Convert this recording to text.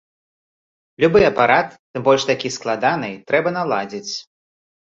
Любы апарат, тым больш такі складаны, трэба наладзіць.